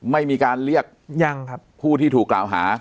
ไม่มีการเรียกยังครับผู้ที่ถูกกล่าวหา